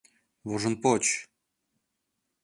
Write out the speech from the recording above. Вожынпоч!